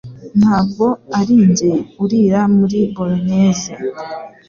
Ntabwo arinjye urira muri Bolognese